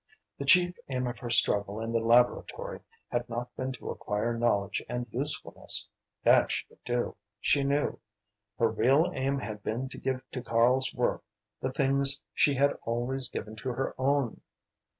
The chief aim of her struggle in the laboratory had not been to acquire knowledge and usefulness that she could do, she knew; her real aim had been to give to Karl's work the things she had always given to her own.